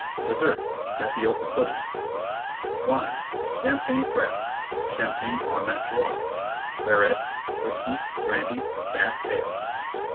DESSERT. Tapioca Pudding. WINES. Champagne Frappe, Champagne au Naturel, Claret, Whiskey, Brandy, Bass' Ale.